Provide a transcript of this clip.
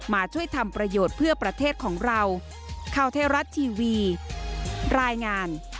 มาช่วยทำประโยชน์เพื่อประเทศของเรา